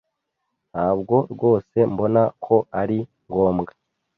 Ntabwo rwose mbona ko ari ngombwa.